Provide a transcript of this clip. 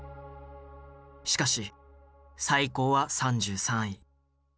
しかし最高は３３位。